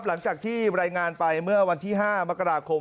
หลังจากที่รายงานไปเมื่อวันที่๕มกราคม